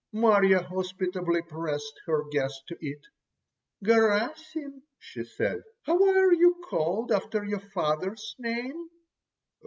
Marya hospitably pressed her guest to eat. "Garasim," she said, "how are you called after your father's name?"